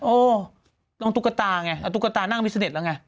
โอ้ต้องตุ๊กตาไงเอาตุ๊กตานั่งวิสเต็ตแล้วไง